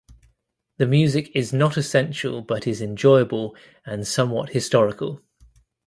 The music is not essential but is enjoyable and somewhat historical.